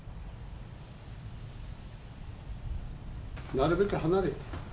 なるべく離れて。